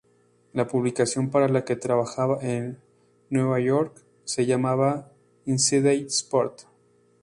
La publicación para la que trabajaba en Nueva York se llamaba "Inside Sports".